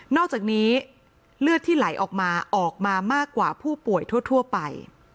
อกจากนี้เลือดที่ไหลออกมาออกมามากกว่าผู้ป่วยทั่วไป